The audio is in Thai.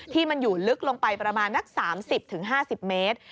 ที่มันอยู่ลึกลงไปประมาณนัก๓๐๕๐เมตร